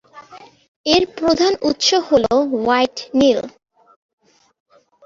এর প্রধান উৎস হ'ল হোয়াইট নীল।